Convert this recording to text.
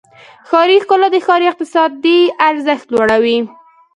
ښاري ښکلا د ښار اقتصادي ارزښت لوړوي.